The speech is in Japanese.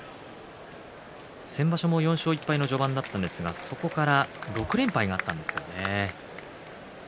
先場所も４勝１敗の序盤だったんですがそこから６連敗があったんですよね。